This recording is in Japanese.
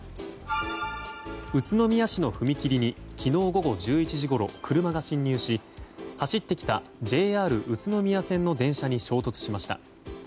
宇都宮市の踏切に昨日午後１１時ごろ車が進入し走ってきたＪＲ宇都宮線の電車に衝突しました。